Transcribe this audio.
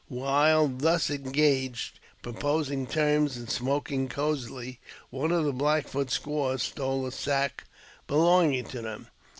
While thus engaged proposing terms and smoking cozily, one of the Black Foot squaws stole a sack belonging to them.